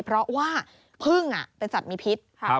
เพราะว่าพึ่งเป็นสัตว์มีพิษ